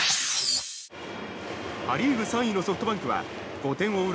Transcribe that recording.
パ・リーグ３位のソフトバンクは５点を追う